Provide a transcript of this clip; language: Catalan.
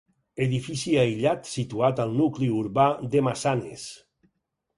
Edifici aïllat, situat al nucli urbà de Massanes.